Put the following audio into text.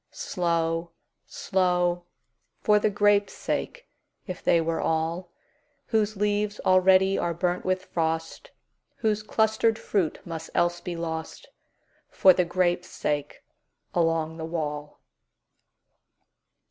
Slow, slow! For the grapes' sake, if they were all, Whose leaves already are burnt with frost, Whose clustered fruit must else be lost—For the grapes' sake along the wall.